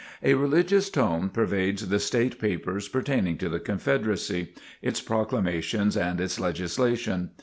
A religious tone pervades the state papers pertaining to the Confederacy, its proclamations, and its legislation.